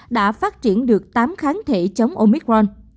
đã phát triển được tám kháng thể chống omicron